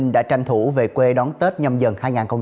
đã tranh thủ về quê đón tết nhầm dần hai nghìn hai mươi hai